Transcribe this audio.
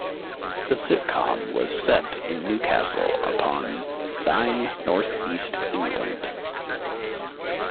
The sitcom was set in Newcastle upon Tyne, North East England.